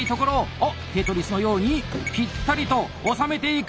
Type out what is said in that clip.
おっテトリスのようにピッタリとおさめていく！